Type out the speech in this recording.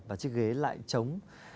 và chiếc ghế lại trống